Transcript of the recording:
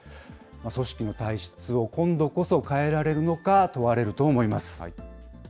組織の体質を今度こそ変えられるのか問われると思います。